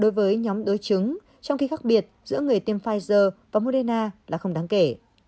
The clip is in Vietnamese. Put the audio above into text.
đối với nhóm đối chứng trong khi khác biệt giữa người tiêm pfizer và moderna là không đáng kể